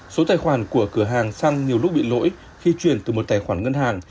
số tài khoản của cửa hàng xăng nhiều lúc bị lỗi khi chuyển từ một tài khoản ngân hàng